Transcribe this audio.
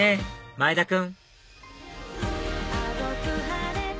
前田君